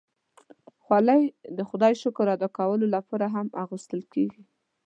خولۍ د خدای شکر ادا کولو لپاره هم اغوستل کېږي.